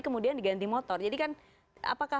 kemudian diganti motor jadi kan apakah